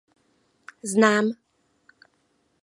Znám.